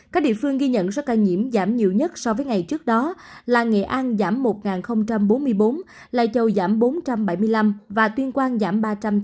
các địa phương ghi nhận số ca nhiễm giảm nhiều nhất so với ngày trước đó là nghệ an giảm một bốn mươi bốn lai châu giảm bốn trăm bảy mươi năm và tuyên quang giảm ba trăm tám mươi